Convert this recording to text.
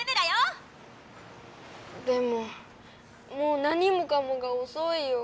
でももう何もかもがおそいよ。